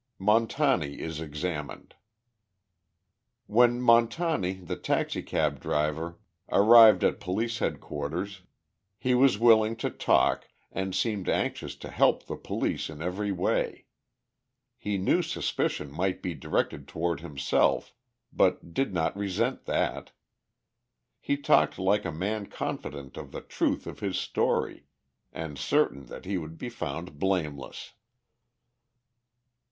Montani is Examined. When Montani, the taxicab driver, arrived at Police Headquarters, he was willing to talk, and seemed anxious to help the police in every way. He knew suspicion might be directed toward himself, but did not resent that. He talked like a man confident of the truth of his story, and certain that he would be found blameless.